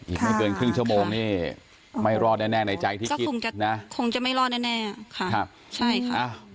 อีกไม่เกินครึ่งชั่วโมงนี่ไม่รอดแน่ในใจที่คงจะไม่รอดแน่ค่ะครับใช่ค่ะ